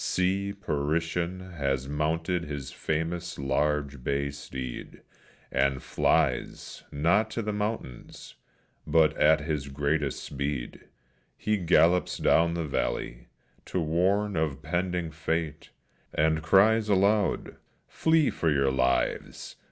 See, Periton has mounted his famous large bay steed, And flies, not to the mountains, but at his greatest speed He gallops down the valley, to warn of pending fate, And cries aloud, "Flee for your lives!